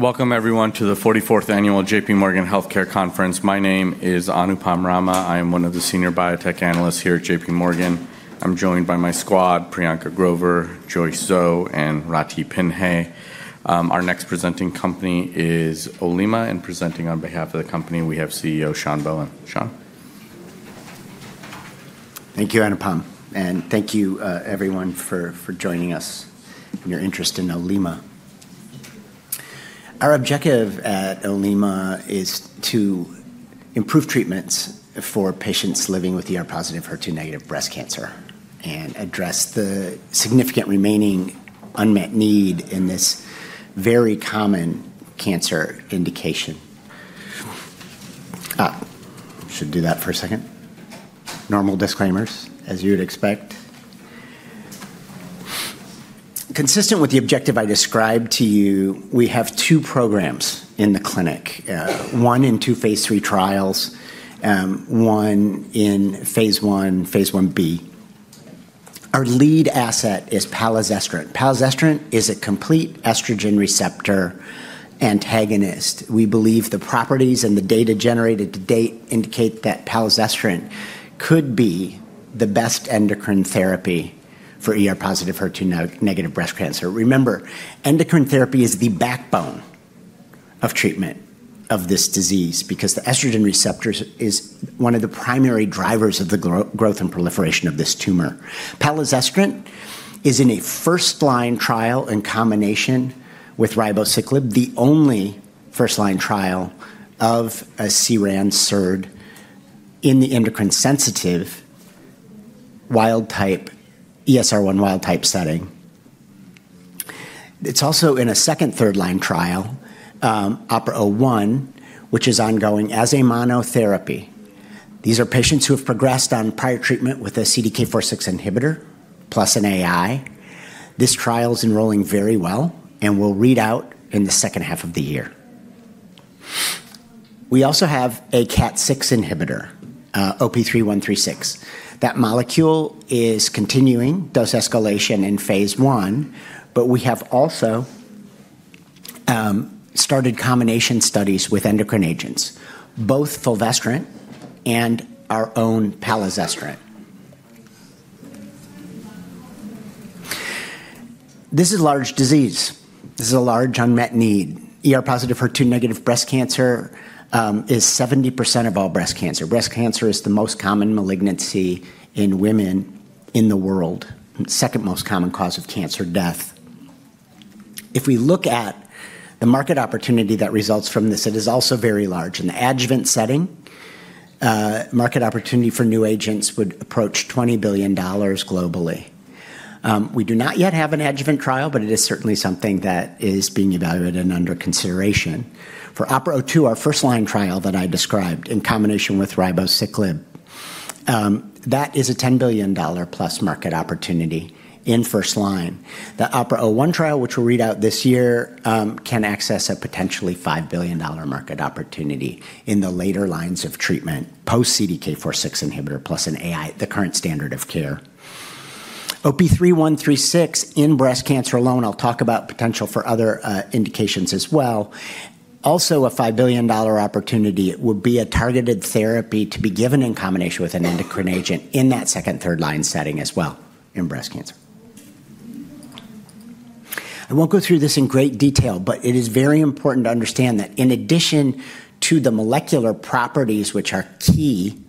Welcome, everyone, to the 44th Annual JP Morgan Healthcare Conference. My name is Anupam Rama. I am one of the Senior Biotech Analysts here at JP Morgan. I'm joined by my squad: Priyanka Grover, Joyce Zhou, and Rathi Phinnai. Our next presenting company is Olema and presenting on behalf of the company we have CEO Sean Bohen. Sean? Thank you, Anupam, and thank you, everyone, for joining us and your interest in Olema. Our objective at Olema is to improve treatments for patients living with ER-positive, HER2-negative breast cancer and address the significant remaining unmet need in this very common cancer indication. Should I do that for a second? Normal disclaimers, as you would expect. Consistent with the objective I described to you, we have two programs in the clinic: one in two phase III trials, one in phase I, phase IB. Our lead asset is palazestrant. Palazestrant is a complete estrogen receptor antagonist. We believe the properties and the data generated to date indicate that palazestrant could be the best endocrine therapy for ER-positive, HER2-negative breast cancer. Remember, endocrine therapy is the backbone of treatment of this disease because the estrogen receptor is one of the primary drivers of the growth and proliferation of this tumor. Palazestrant is in a first-line trial in combination with ribociclib, the only first-line trial of a CERAN in the endocrine-sensitive wild-type ESR1 wild-type setting. It's also in a second third-line trial, OPERA-01, which is ongoing as a monotherapy. These are patients who have progressed on prior treatment with a CDK4/6 inhibitor plus an AI. This trial is enrolling very well and will read out in the second half of the year. We also have a KAT6 inhibitor, OP-3136. That molecule is continuing dose escalation in phase I, but we have also started combination studies with endocrine agents, both fulvestrant and our own palazestrant. This is a large disease. This is a large unmet need. ER-positive, HER2-negative breast cancer is 70% of all breast cancer. Breast cancer is the most common malignancy in women in the world, the second most common cause of cancer death. If we look at the market opportunity that results from this, it is also very large. In the adjuvant setting, market opportunity for new agents would approach $20 billion globally. We do not yet have an adjuvant trial, but it is certainly something that is being evaluated and under consideration. For OPERA-02, our first-line trial that I described in combination with ribociclib, that is a $10 billion-plus market opportunity in first-line. The OPERA-01 trial, which will read out this year, can access a potentially $5 billion market opportunity in the later lines of treatment post-CDK4/6 inhibitor plus an AI, the current standard of care. OP-3136 in breast cancer alone, I'll talk about potential for other indications as well. Also, a $5 billion opportunity would be a targeted therapy to be given in combination with an endocrine agent in that second, third-line setting as well in breast cancer. I won't go through this in great detail, but it is very important to understand that in addition to the molecular properties, which are key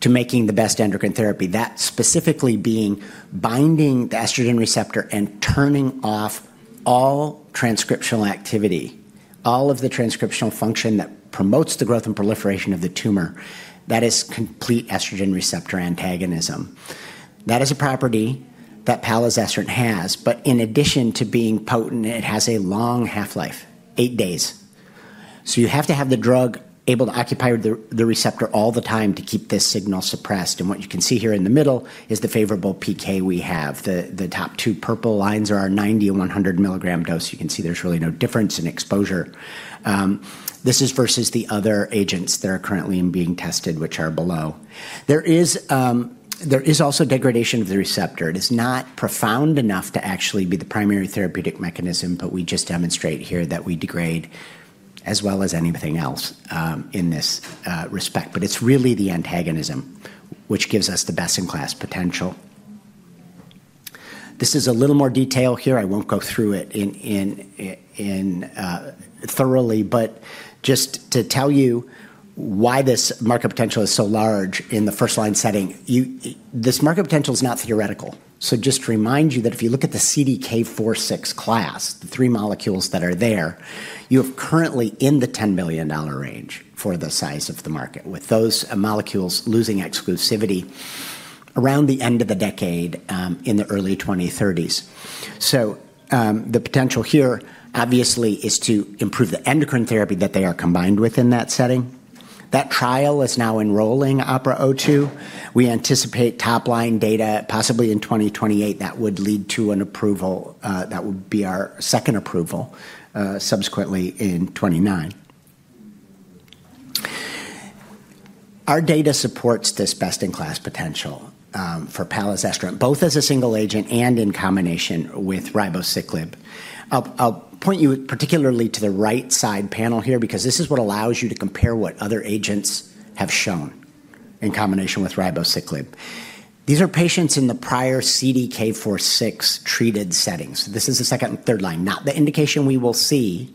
to making the best endocrine therapy, that specifically being binding the estrogen receptor and turning off all transcriptional activity, all of the transcriptional function that promotes the growth and proliferation of the tumor, that is complete estrogen receptor antagonism. That is a property that palazestrant has, but in addition to being potent, it has a long half-life, eight days. So you have to have the drug able to occupy the receptor all the time to keep this signal suppressed. And what you can see here in the middle is the favorable PK we have. The top two purple lines are our 90 and 100 milligram dose. You can see there's really no difference in exposure. This is versus the other agents that are currently being tested, which are below. There is also degradation of the receptor. It is not profound enough to actually be the primary therapeutic mechanism, but we just demonstrate here that we degrade as well as anything else in this respect. But it's really the antagonism which gives us the best-in-class potential. This is a little more detail here. I won't go through it thoroughly, but just to tell you why this market potential is so large in the first-line setting, this market potential is not theoretical. So just to remind you that if you look at the CDK4/6 class, the three molecules that are there, you are currently in the $10 billion range for the size of the market, with those molecules losing exclusivity around the end of the decade in the early 2030s. So the potential here, obviously, is to improve the endocrine therapy that they are combined with in that setting. That trial is now enrolling OPERA-02. We anticipate top-line data possibly in 2028 that would lead to an approval that would be our second approval subsequently in 2029. Our data supports this best-in-class potential for palazestrant, both as a single agent and in combination with ribociclib. I'll point you particularly to the right side panel here because this is what allows you to compare what other agents have shown in combination with ribociclib. These are patients in the prior CDK4/6 treated settings. This is the second and third line. Not the indication we will see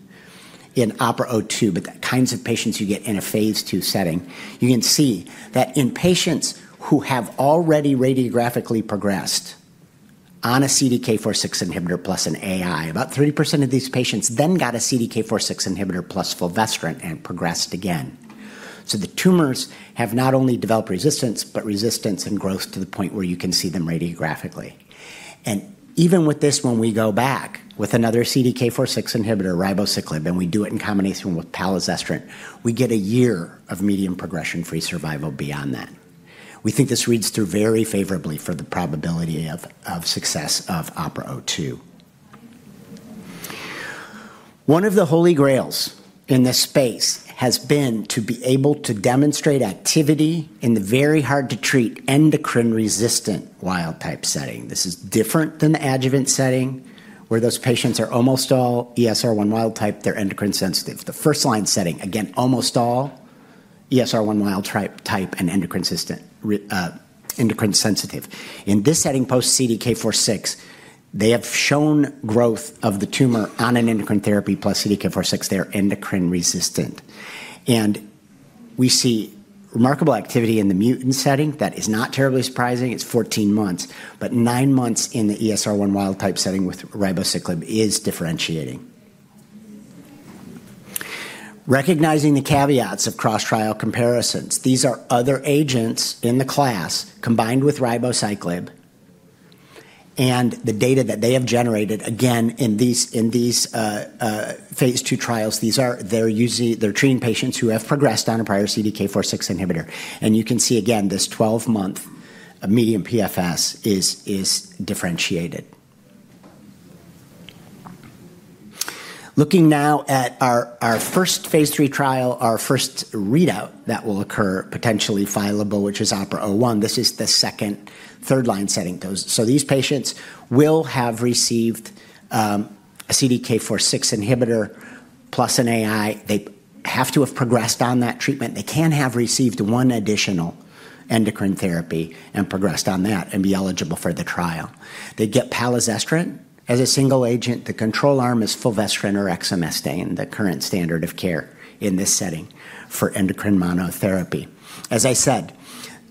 in OPERA-02, but the kinds of patients you get in a phase II setting. You can see that in patients who have already radiographically progressed on a CDK4/6 inhibitor plus an AI, about 30% of these patients then got a CDK4/6 inhibitor plus fulvestrant and progressed again, so the tumors have not only developed resistance, but resistance and growth to the point where you can see them radiographically, and even with this, when we go back with another CDK4/6 inhibitor, ribociclib, and we do it in combination with palazestrant, we get a year of median progression-free survival beyond that. We think this reads through very favorably for the probability of success of OPERA-02. One of the holy grails in this space has been to be able to demonstrate activity in the very hard-to-treat endocrine-resistant wild-type setting. This is different than the adjuvant setting where those patients are almost all ESR1 wild-type. They're endocrine-sensitive. The first-line setting, again, almost all ESR1 wild-type and endocrine-sensitive. In this setting, post-CDK4/6, they have shown growth of the tumor on an endocrine therapy plus CDK4/6. They are endocrine-resistant. We see remarkable activity in the mutant setting. That is not terribly surprising. It's 14 months, but nine months in the ESR1 wild-type setting with ribociclib is differentiating. Recognizing the caveats of cross-trial comparisons, these are other agents in the class combined with ribociclib and the data that they have generated. Again, in these phase II trials, they're treating patients who have progressed on a prior CDK4/6 inhibitor. You can see, again, this 12-month median PFS is differentiated. Looking now at our first phase III trial, our first readout that will occur potentially viable, which is OPERA-01. This is the second, third-line setting. So these patients will have received a CDK4/6 inhibitor plus an AI. They have to have progressed on that treatment. They can have received one additional endocrine therapy and progressed on that and be eligible for the trial. They get palazestrant as a single agent. The control arm is fulvestrant or exemestane in the current standard of care in this setting for endocrine monotherapy. As I said,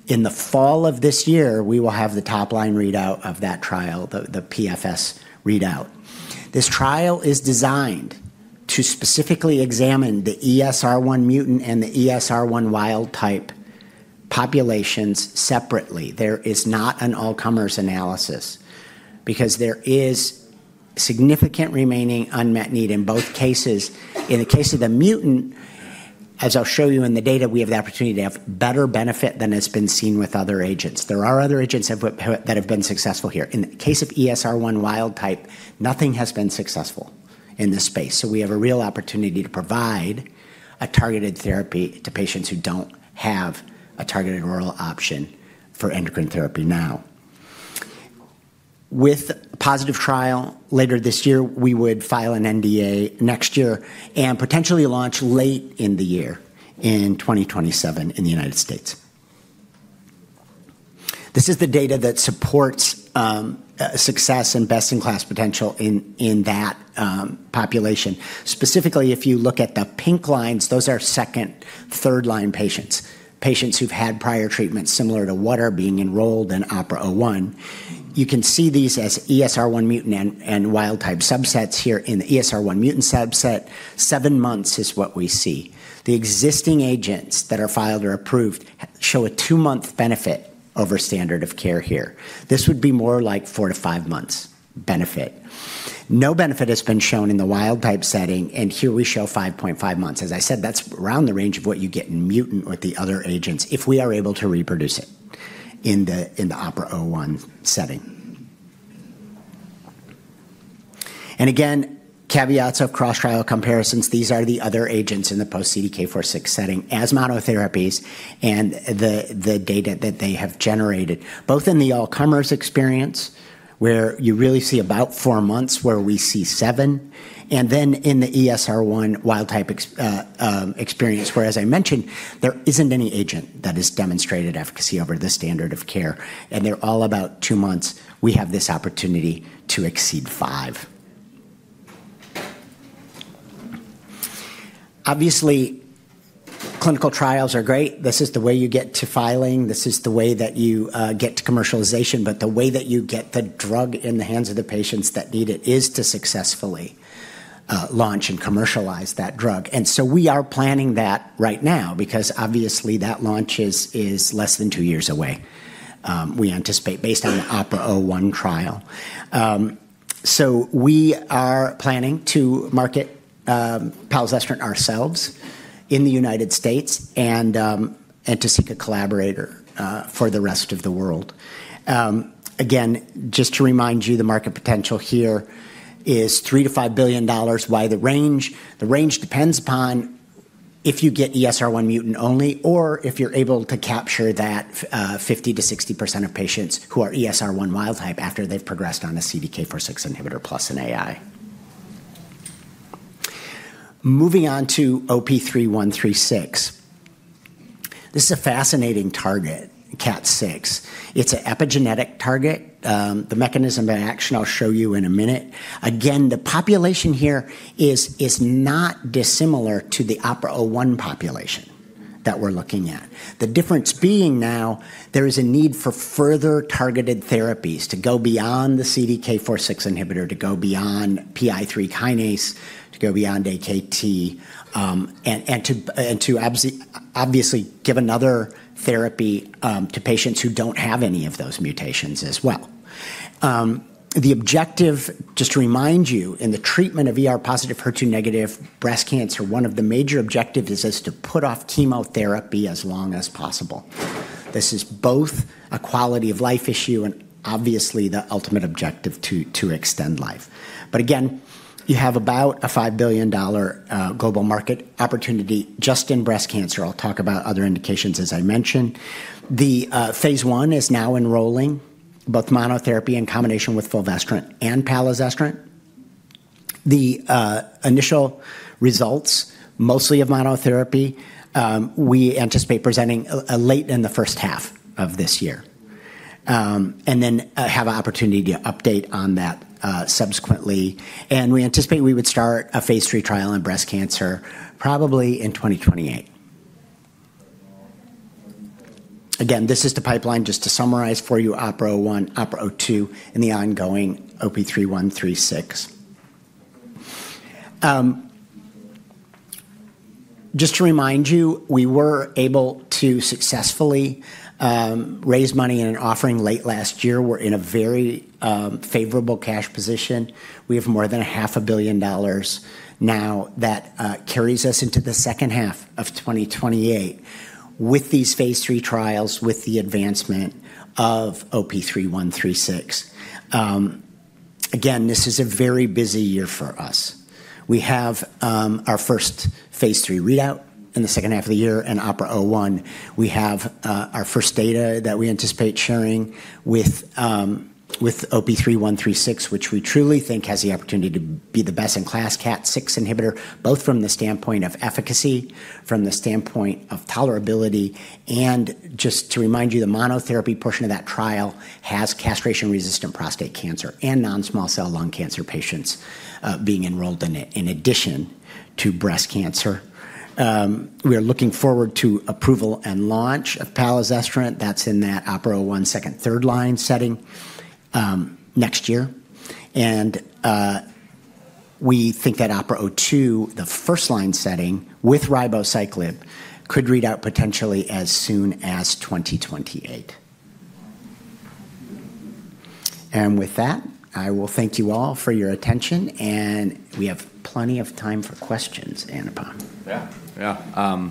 in the fall of this year, we will have the top-line readout of that trial, the PFS readout. This trial is designed to specifically examine the ESR1 mutant and the ESR1 wild-type populations separately. There is not an all-comers analysis because there is significant remaining unmet need in both cases. In the case of the mutant, as I'll show you in the data, we have the opportunity to have better benefit than has been seen with other agents. There are other agents that have been successful here. In the case of ESR1 wild-type, nothing has been successful in this space. So we have a real opportunity to provide a targeted therapy to patients who don't have a targeted oral option for endocrine therapy now. With positive trial later this year, we would file an NDA next year and potentially launch late in the year in 2027 in the United States. This is the data that supports success and best-in-class potential in that population. Specifically, if you look at the pink lines, those are second, third-line patients, patients who've had prior treatment similar to what are being enrolled in OPERA-01. You can see these are ESR1 mutant and wild-type subsets here in the ESR1 mutant subset. Seven months is what we see. The existing agents that are filed or approved show a two-month benefit over standard of care here. This would be more like four to five months benefit. No benefit has been shown in the wild-type setting, and here we show 5.5 months. As I said, that's around the range of what you get in mutant or the other agents if we are able to reproduce it in the OPERA-01 setting. And again, caveats of cross-trial comparisons. These are the other agents in the post-CDK4/6 setting as monotherapies and the data that they have generated, both in the all-comers experience where you really see about four months where we see seven, and then in the ESR1 wild-type experience where, as I mentioned, there isn't any agent that has demonstrated efficacy over the standard of care. And they're all about two months. We have this opportunity to exceed five. Obviously, clinical trials are great. This is the way you get to filing. This is the way that you get to commercialization. But the way that you get the drug in the hands of the patients that need it is to successfully launch and commercialize that drug. And so we are planning that right now because, obviously, that launch is less than two years away, we anticipate based on the OPERA-01 trial. So we are planning to market palazestrant ourselves in the United States and to seek a collaborator for the rest of the world. Again, just to remind you, the market potential here is $3 billion-$5 billion. Why the range? The range depends upon if you get ESR1 mutant only or if you're able to capture that 50%-60% of patients who are ESR1 wild-type after they've progressed on a CDK4/6 inhibitor plus an AI. Moving on to OP-3136. This is a fascinating target, KAT6. It's an epigenetic target. The mechanism of action I'll show you in a minute. Again, the population here is not dissimilar to the OPERA-01 population that we're looking at. The difference being now there is a need for further targeted therapies to go beyond the CDK4/6 inhibitor, to go beyond PI3 kinase, to go beyond AKT, and to obviously give another therapy to patients who don't have any of those mutations as well. The objective, just to remind you, in the treatment of ER-positive, HER2-negative breast cancer, one of the major objectives is to put off chemotherapy as long as possible. This is both a quality of life issue and, obviously, the ultimate objective to extend life. But again, you have about a $5 billion global market opportunity just in breast cancer. I'll talk about other indications, as I mentioned. The phase I is now enrolling both monotherapy in combination with fulvestrant and palazestrant. The initial results, mostly of monotherapy, we anticipate presenting late in the first half of this year and then have an opportunity to update on that subsequently. And we anticipate we would start a phase III trial in breast cancer probably in 2028. Again, this is the pipeline just to summarize for you: OPERA-01, OPERA-02, and the ongoing OP-3136. Just to remind you, we were able to successfully raise money in an offering late last year. We're in a very favorable cash position. We have more than $500 million now that carries us into the second half of 2028 with these phase III trials with the advancement of OP-3136. Again, this is a very busy year for us. We have our first phase III readout in the second half of the year and OPERA-01. We have our first data that we anticipate sharing with OP-3136, which we truly think has the opportunity to be the best-in-class KAT6 inhibitor, both from the standpoint of efficacy, from the standpoint of tolerability. Just to remind you, the monotherapy portion of that trial has castration-resistant prostate cancer and non-small cell lung cancer patients being enrolled in it in addition to breast cancer. We are looking forward to approval and launch of palazestrant. That's in that OPERA-01 second, third-line setting next year. We think that OPERA-02, the first-line setting with ribociclib, could readout potentially as soon as 2028. With that, I will thank you all for your attention, and we have plenty of time for questions, Anupam. Yeah, yeah.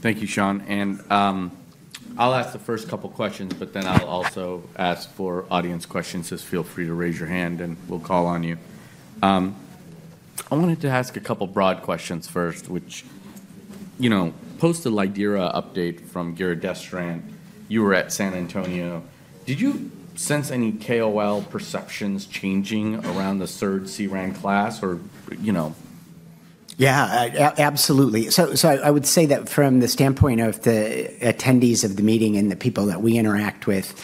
Thank you, Sean, and I'll ask the first couple of questions, but then I'll also ask for audience questions. Just feel free to raise your hand, and we'll call on you. I wanted to ask a couple of broad questions first. What about the lidERA update from giredestrant? You were at San Antonio. Did you sense any KOL perceptions changing around the third CERAN class or? Yeah, absolutely, so I would say that from the standpoint of the attendees of the meeting and the people that we interact with,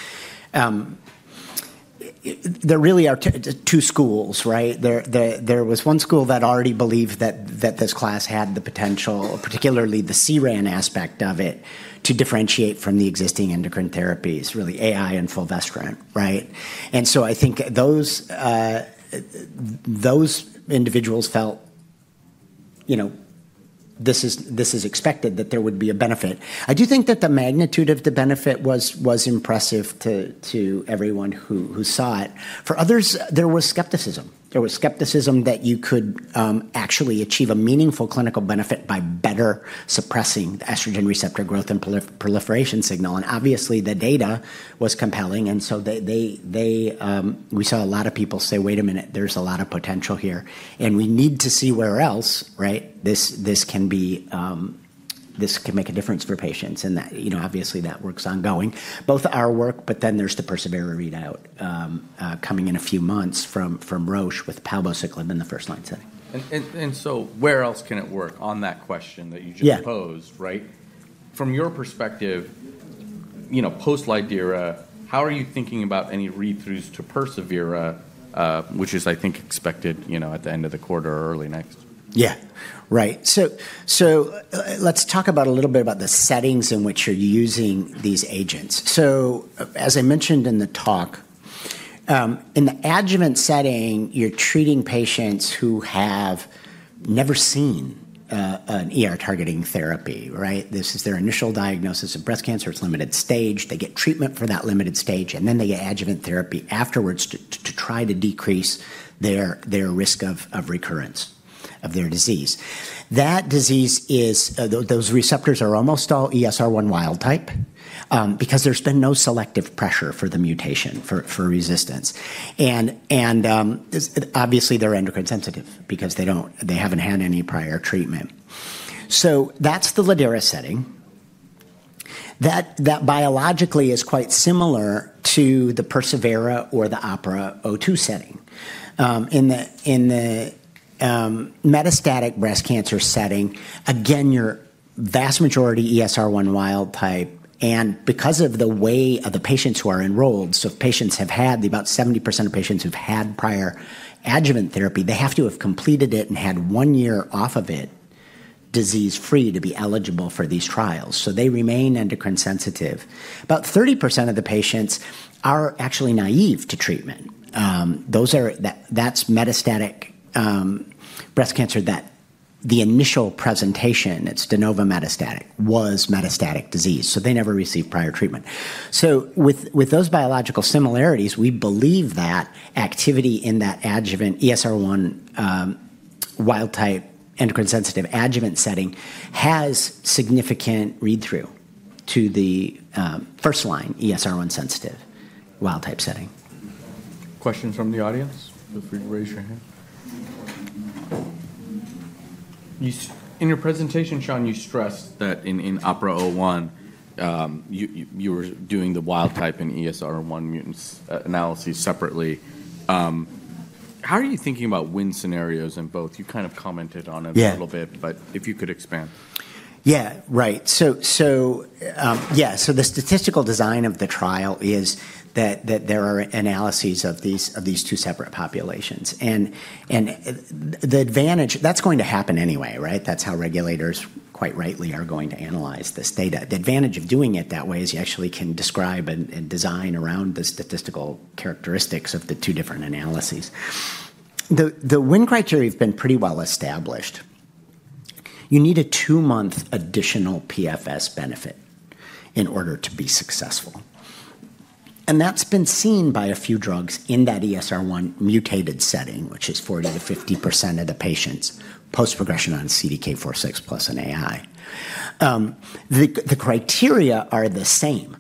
there really are two schools, right? There was one school that already believed that this class had the potential, particularly the CERAN aspect of it, to differentiate from the existing endocrine therapies, really AI and fulvestrant, right, and so I think those individuals felt this is expected that there would be a benefit. I do think that the magnitude of the benefit was impressive to everyone who saw it. For others, there was skepticism. There was skepticism that you could actually achieve a meaningful clinical benefit by better suppressing the estrogen receptor growth and proliferation signal, and obviously, the data was compelling. And so we saw a lot of people say, "Wait a minute, there's a lot of potential here, and we need to see where else, right? This can make a difference for patients." And obviously, that works ongoing, both our work, but then there's the persevERA readout coming in a few months from Roche with palbociclib in the first-line setting. And so where else can it work on that question that you just posed, right? From your perspective, post-lidERA, how are you thinking about any read-throughs to persevERA, which is, I think, expected at the end of the quarter or early next? Yeah, right. So let's talk a little bit about the settings in which you're using these agents. So as I mentioned in the talk, in the adjuvant setting, you're treating patients who have never seen an ER-targeting therapy, right? This is their initial diagnosis of breast cancer. It's limited stage. They get treatment for that limited stage, and then they get adjuvant therapy afterwards to try to decrease their risk of recurrence of their disease. Those receptors are almost all ESR1 wild-type because there's been no selective pressure for the mutation for resistance. And obviously, they're endocrine-sensitive because they haven't had any prior treatment. So that's the lidERA setting. That biologically is quite similar to the persevERA or the OPERA-02 setting. In the metastatic breast cancer setting, again, the vast majority ESR1 wild-type. Because of the way of the patients who are enrolled, so patients have had about 70% of patients who've had prior adjuvant therapy, they have to have completed it and had one year off of it disease-free to be eligible for these trials. They remain endocrine-sensitive. About 30% of the patients are actually naive to treatment. That's metastatic breast cancer that the initial presentation, it's de novo metastatic, was metastatic disease. They never received prior treatment. With those biological similarities, we believe that activity in that adjuvant ESR1 wild-type endocrine-sensitive adjuvant setting has significant read-through to the first-line ESR1 sensitive wild-type setting. Question from the audience? Feel free to raise your hand. In your presentation, Sean, you stressed that in OPERA-01, you were doing the wild-type and ESR1 mutants analyses separately. How are you thinking about win scenarios in both? You kind of commented on it a little bit, but if you could expand. Yeah, right. So yeah, so the statistical design of the trial is that there are analyses of these two separate populations. And that's going to happen anyway, right? That's how regulators, quite rightly, are going to analyze this data. The advantage of doing it that way is you actually can describe and design around the statistical characteristics of the two different analyses. The win criteria have been pretty well established. You need a two-month additional PFS benefit in order to be successful. And that's been seen by a few drugs in that ESR1 mutated setting, which is 40%-50% of the patients' post-progression on CDK4/6 plus an AI. The criteria are the same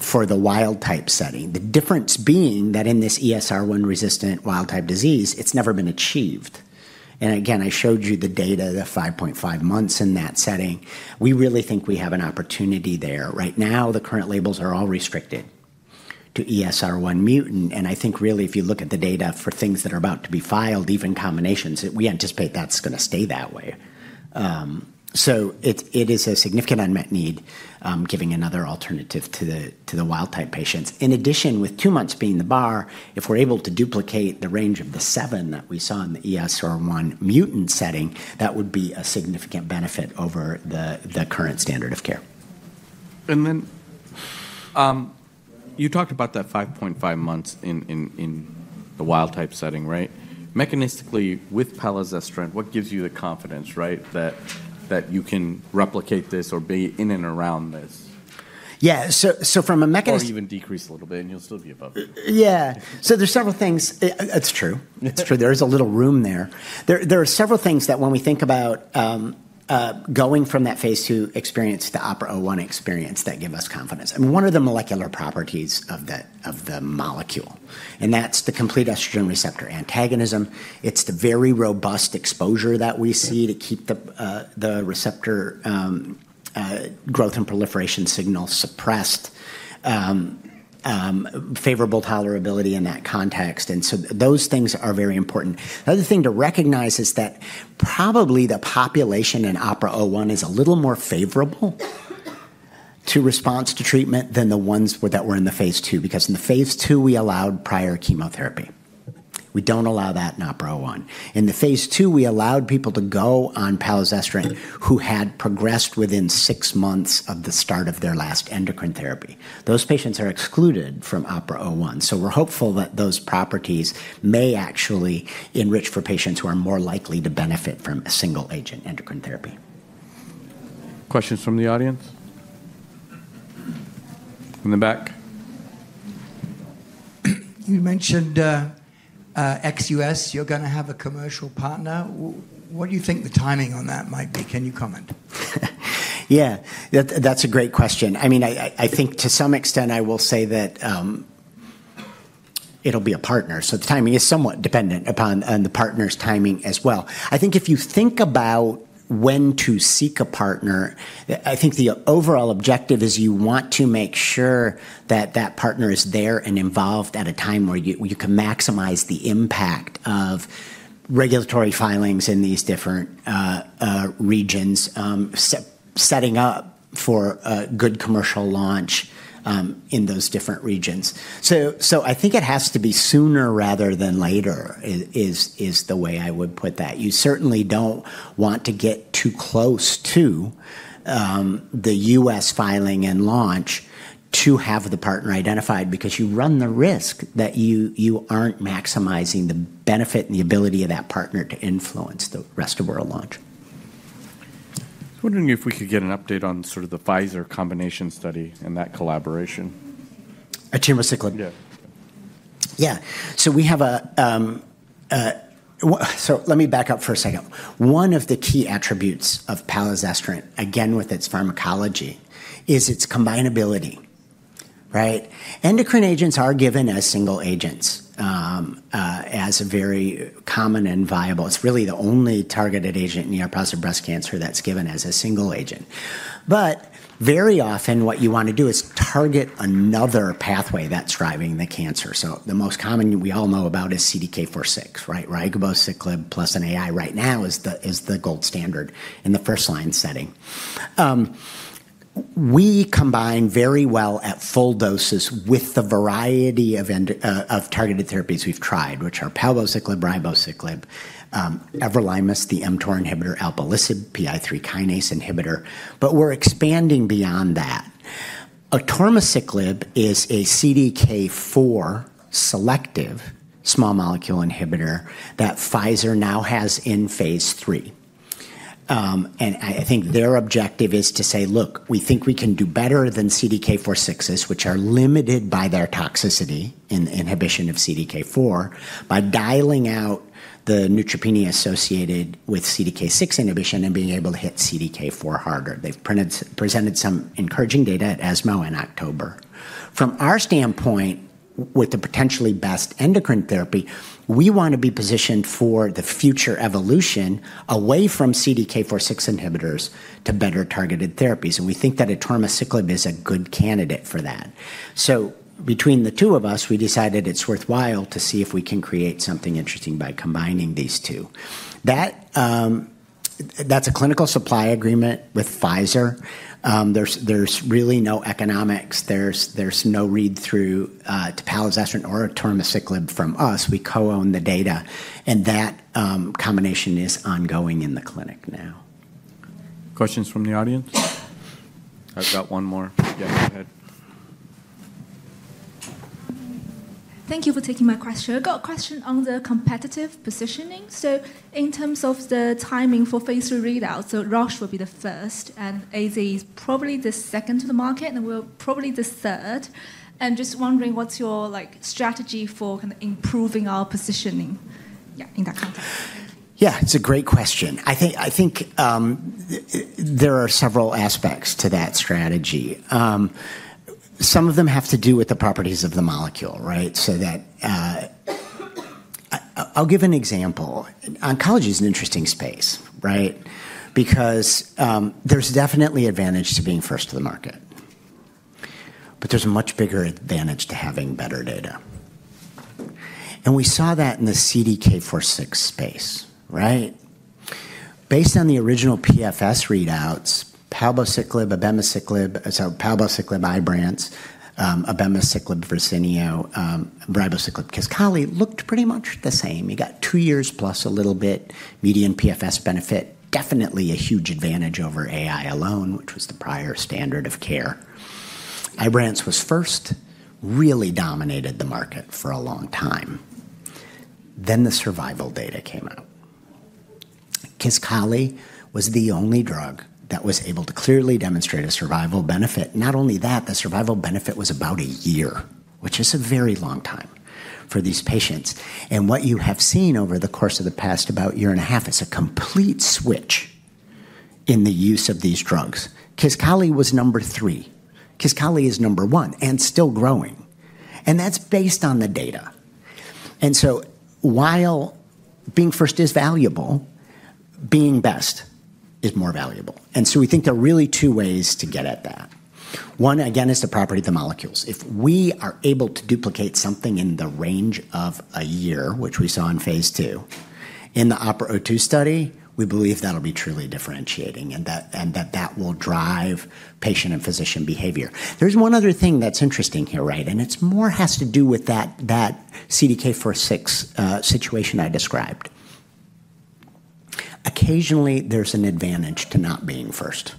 for the wild-type setting, the difference being that in this ESR1-resistant wild-type disease, it's never been achieved. And again, I showed you the data, the 5.5 months in that setting. We really think we have an opportunity there. Right now, the current labels are all restricted to ESR1 mutant. And I think really, if you look at the data for things that are about to be filed, even combinations, we anticipate that's going to stay that way. So it is a significant unmet need giving another alternative to the wild-type patients. In addition, with two months being the bar, if we're able to duplicate the range of the seven that we saw in the ESR1 mutant setting, that would be a significant benefit over the current standard of care. Then you talked about that 5.5 months in the wild-type setting, right? Mechanistically, with palazestrant, what gives you the confidence, right, that you can replicate this or be in and around this? Yeah. So from a mechanistic. Or even decrease a little bit, and you'll still be above it. Yeah. So there's several things. That's true. It's true. There is a little room there. There are several things that when we think about going from that phase II experience to the OPERA-01 experience that give us confidence. I mean, one of the molecular properties of the molecule, and that's the complete estrogen receptor antagonism. It's the very robust exposure that we see to keep the receptor growth and proliferation signal suppressed, favorable tolerability in that context. And so those things are very important. The other thing to recognize is that probably the population in OPERA-01 is a little more favorable to response to treatment than the ones that were in the phase II because in the phase II, we allowed prior chemotherapy. We don't allow that in OPERA-01. In the phase II, we allowed people to go on palazestrant who had progressed within six months of the start of their last endocrine therapy. Those patients are excluded from OPERA-01. So we're hopeful that those properties may actually enrich for patients who are more likely to benefit from a single-agent endocrine therapy. Questions from the audience? In the back? You mentioned ex-US. You're going to have a commercial partner. What do you think the timing on that might be? Can you comment? Yeah, that's a great question. I mean, I think to some extent, I will say that it'll be a partner. So the timing is somewhat dependent upon the partner's timing as well. I think if you think about when to seek a partner, I think the overall objective is you want to make sure that that partner is there and involved at a time where you can maximize the impact of regulatory filings in these different regions, setting up for a good commercial launch in those different regions. So I think it has to be sooner rather than later is the way I would put that. You certainly don't want to get too close to the U.S. filing and launch to have the partner identified because you run the risk that you aren't maximizing the benefit and the ability of that partner to influence the rest of world launch. I was wondering if we could get an update on sort of the Pfizer combination study and that collaboration? A tumor sequencing. Yeah. Yeah. So let me back up for a second. One of the key attributes of palazestrant, again, with its pharmacology, is its combinability, right? Endocrine agents are given as single agents as a very common and viable. It's really the only targeted agent in neoplastic breast cancer that's given as a single agent. But very often, what you want to do is target another pathway that's driving the cancer. So the most common we all know about is CDK4/6, right? Ribociclib plus an AI right now is the gold standard in the first-line setting. We combine very well at full doses with the variety of targeted therapies we've tried, which are palbociclib, ribociclib, everolimus, the mTOR inhibitor, alpelisib, PI3 kinase inhibitor, but we're expanding beyond that. Atirmociclib is a CDK4 selective small molecule inhibitor that Pfizer now has in phase III. And I think their objective is to say, "Look, we think we can do better than CDK4/6s, which are limited by their toxicity in the inhibition of CDK4 by dialing out the neutropenia associated with CDK6 inhibition and being able to hit CDK4 harder." They've presented some encouraging data at ESMO in October. From our standpoint, with the potentially best endocrine therapy, we want to be positioned for the future evolution away from CDK4/6 inhibitors to better targeted therapies. And we think that atirmociclib is a good candidate for that. So between the two of us, we decided it's worthwhile to see if we can create something interesting by combining these two. That's a clinical supply agreement with Pfizer. There's really no economics. There's no read-through to palazestrant or atirmociclib from us. We co-own the data. And that combination is ongoing in the clinic now. Questions from the audience? I've got one more. Yeah, go ahead. Thank you for taking my question. I've got a question on the competitive positioning. So in terms of the timing for phase III readouts, so Roche will be the first, and AZ is probably the second to the market, and we're probably the third. And just wondering what's your strategy for kind of improving our positioning in that context? Yeah, it's a great question. I think there are several aspects to that strategy. Some of them have to do with the properties of the molecule, right? So I'll give an example. Oncology is an interesting space, right? Because there's definitely advantage to being first to the market, but there's a much bigger advantage to having better data. And we saw that in the CDK4/6 space, right? Based on the original PFS readouts, palbociclib, so palbociclib Ibrance, abemaciclib Verzenio, ribociclib Kisqali looked pretty much the same. You got two years plus a little bit median PFS benefit, definitely a huge advantage over AI alone, which was the prior standard of care. Ibrance was first, really dominated the market for a long time. Then the survival data came out. Kisqali was the only drug that was able to clearly demonstrate a survival benefit. Not only that, the survival benefit was about a year, which is a very long time for these patients, and what you have seen over the course of the past about year and a half is a complete switch in the use of these drugs. Kisqali was number three. Kisqali is number one and still growing, and that's based on the data, and so while being first is valuable, being best is more valuable, and so we think there are really two ways to get at that. One, again, is the property of the molecules. If we are able to duplicate something in the range of a year, which we saw in phase II in the OPERA-02 study, we believe that'll be truly differentiating and that that will drive patient and physician behavior. There's one other thing that's interesting here, right? And it's more has to do with that CDK4/6 situation I described. Occasionally, there's an advantage to not being first.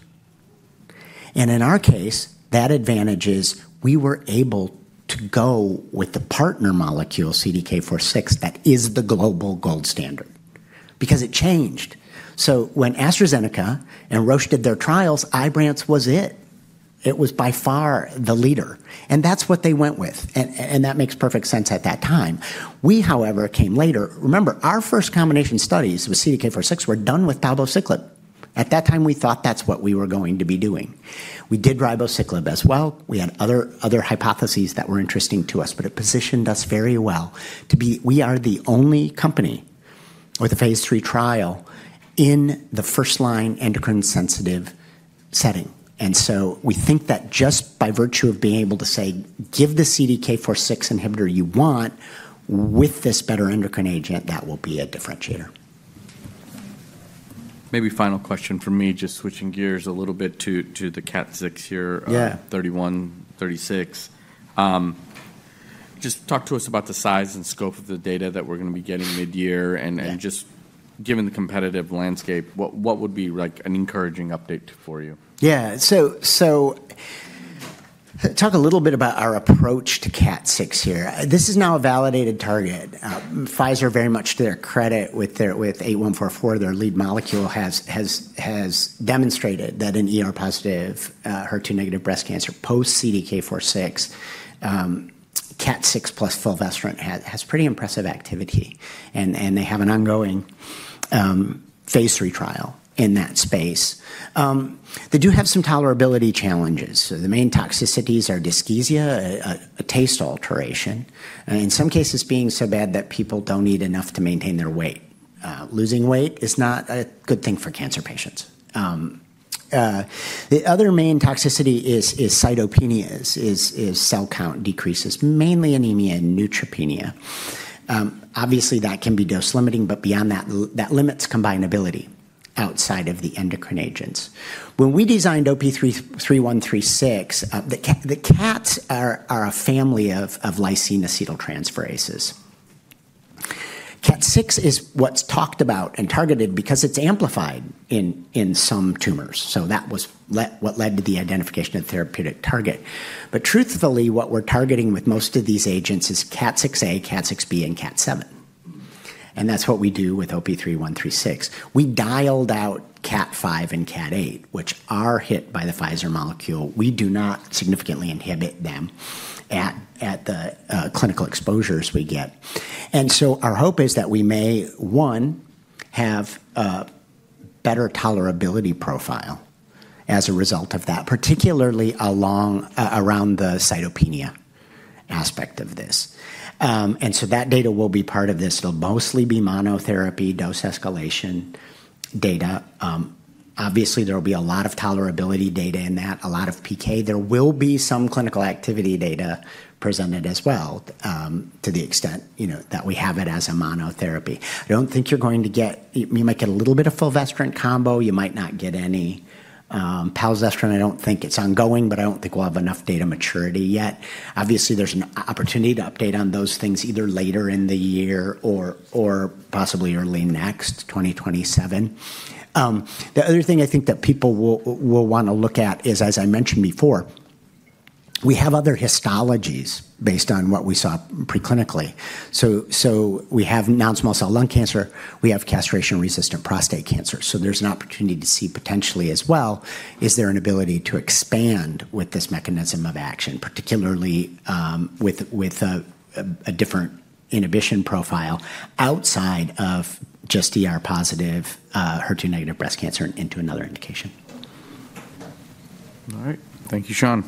And in our case, that advantage is we were able to go with the partner molecule CDK4/6 that is the global gold standard because it changed. So when AstraZeneca and Roche did their trials, Ibrance was it. It was by far the leader. And that's what they went with. And that makes perfect sense at that time. We, however, came later. Remember, our first combination studies with CDK4/6 were done with palbociclib. At that time, we thought that's what we were going to be doing. We did ribociclib as well. We had other hypotheses that were interesting to us, but it positioned us very well to be, we are the only company with a phase III trial in the first-line endocrine-sensitive setting. And so we think that just by virtue of being able to say, "Give the CDK4/6 inhibitor you want with this better endocrine agent," that will be a differentiator. Maybe final question for me, just switching gears a little bit to the KAT6 here, OP-3136. Just talk to us about the size and scope of the data that we're going to be getting mid-year. And just given the competitive landscape, what would be an encouraging update for you? Yeah. So, talk a little bit about our approach to KAT6 here. This is now a validated target. Pfizer, very much to their credit with 8144, their lead molecule, has demonstrated that in ER-positive, HER2-negative breast cancer post-CDK4/6, KAT6 plus fulvestrant has pretty impressive activity. And they have an ongoing phase III trial in that space. They do have some tolerability challenges. So the main toxicities are dysgeusia, a taste alteration, in some cases being so bad that people don't eat enough to maintain their weight. Losing weight is not a good thing for cancer patients. The other main toxicity is cytopenias, is cell count decreases, mainly anemia and neutropenia. Obviously, that can be dose limiting, but beyond that, that limits combinability outside of the endocrine agents. When we designed OP-3136, the KATs are a family of lysine acetyltransferases. KAT6 is what's talked about and targeted because it's amplified in some tumors. So that was what led to the identification of therapeutic target. But truthfully, what we're targeting with most of these agents is KAT6A, KAT6B, and KAT7. And that's what we do with OP-3136. We dialed out KAT5 and KAT8, which are hit by the Pfizer molecule. We do not significantly inhibit them at the clinical exposures we get. And so our hope is that we may, one, have a better tolerability profile as a result of that, particularly around the cytopenia aspect of this. And so that data will be part of this. It'll mostly be monotherapy dose escalation data. Obviously, there will be a lot of tolerability data in that, a lot of PK. There will be some clinical activity data presented as well to the extent that we have it as a monotherapy. I don't think you're going to get. You might get a little bit of fulvestrant combo. You might not get any palazestrant. I don't think it's ongoing, but I don't think we'll have enough data maturity yet. Obviously, there's an opportunity to update on those things either later in the year or possibly early next, 2027. The other thing I think that people will want to look at is, as I mentioned before, we have other histologies based on what we saw preclinically, so we have non-small cell lung cancer. We have castration-resistant prostate cancer. So there's an opportunity to see potentially as well. Is there an ability to expand with this mechanism of action, particularly with a different inhibition profile outside of just positive, HER2-negative breast cancer and into another indication? All right. Thank you, Sean.